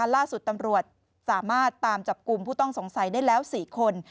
ล่าสุดตำรวจสามารถตามจับกลุ่มผู้ต้องสงสัยได้แล้ว๔คน